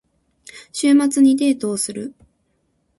週末にデートをする。